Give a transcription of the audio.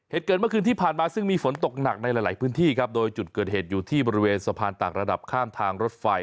เหตุเกิดเมื่อคืนที่ผ่านมาซึ่งมีฝนตกหนักในหลายพื้นที่ครับโดยจุดเกิดเหตุอยู่ที่บริเวณสะพานต่างระดับข้ามทางรถไฟ